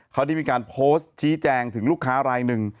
เขาได้มีการโพสต์ชี้แจงถึงลูกค้ารายหนึ่ง